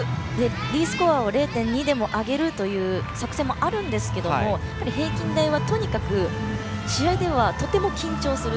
Ｄスコアを０．２でも上げるという作戦もありますが平均台はとにかく、試合ではとても緊張する。